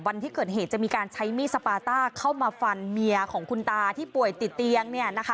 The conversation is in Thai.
วันที่เกิดเหตุจะมีการใช้มีดสปาต้าเข้ามาฟันเมียของคุณตาที่ป่วยติดเตียง